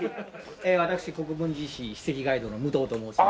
私国分寺市史跡ガイドの武藤と申します。